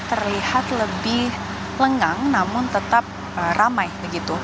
terlihat lebih lengang namun tetap ramai begitu